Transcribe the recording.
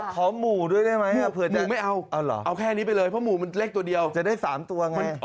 ขอหมู่ด้วยได้ไหมเผื่อไม่เอาเอาแค่นี้ไปเลยเพราะหมู่มันเลขตัวเดียวจะได้๓ตัวไง